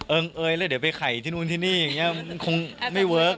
เอยแล้วเดี๋ยวไปไข่ที่นู่นที่นี่อย่างนี้มันคงไม่เวิร์ค